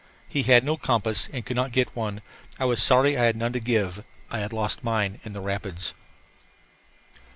He had no compass and could not get one. I was sorry I had none to give; I had lost mine in the rapids.